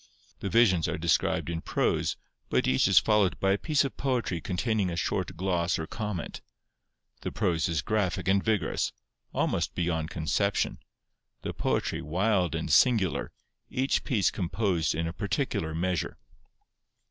The visions are described in prose, but each is followed by a piece of poetry containing a short gloss or comment. The prose is graphic and vigorous, almost beyond conception; the poetry wild and singular, each piece composed in a particular measure.